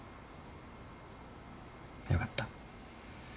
よかった。